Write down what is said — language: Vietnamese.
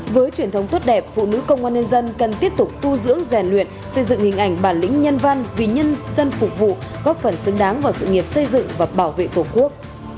với truyền thống tốt đẹp phụ nữ công an nhân dân cần tiếp tục tu dưỡng rèn luyện xây dựng hình ảnh bản lĩnh nhân văn vì nhân dân phục vụ góp phần xứng đáng vào sự nghiệp xây dựng và bảo vệ tổ quốc